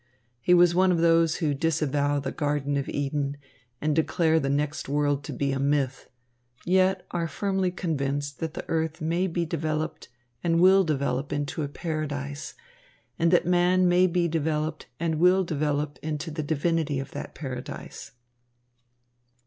He was one of those who disavow the Garden of Eden and declare the next world to be a myth, yet are firmly convinced that the earth may be developed and will develop into a paradise and that man may be developed and will develop into the divinity of that paradise.